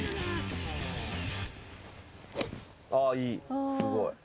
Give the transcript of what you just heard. あいいすごい。